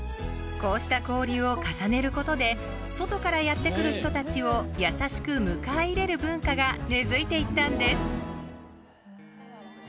こうした交流を重ねることで外からやってくる人たちを優しく迎え入れる文化が根づいていったんです。